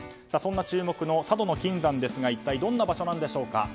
そんな注目の佐渡島の金山ですが一体どんな場所でしょうか。